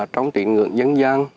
trong tiện ngưỡng dân gian